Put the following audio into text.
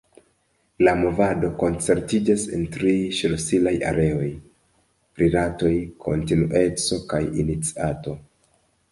La movado koncentriĝas en tri ŝlosilaj areoj: rilatoj, kontinueco kaj iniciato.